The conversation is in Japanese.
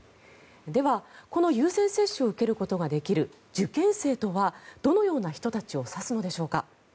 では、この優先接種を受けることができる受験生とはどのような人たちを指すのでしょうか。